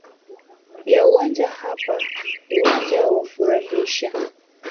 ya uwanja hapa uwanja wa furahisha